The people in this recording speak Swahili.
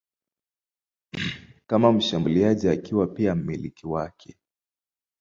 kama mshambuliaji akiwa pia mmiliki wake.